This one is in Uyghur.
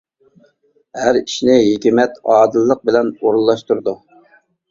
ھەر ئىشنى ھېكمەت، ئادىللىق بىلەن ئورۇنلاشتۇرىدۇ.